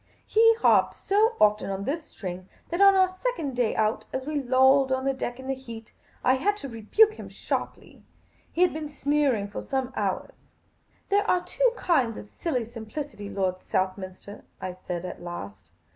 He harped so often on this string that on our second day out, as we lolled on deck in the heat, I had to rebuke him sharply. He had been sneering for some hours. " There are two kinds of silly simplicity, Lord Southminster," I said, at last.